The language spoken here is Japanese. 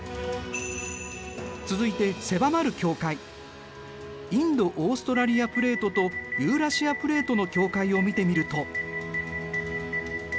続いてインド・オーストラリアプレートとユーラシアプレートの境界を見てみると。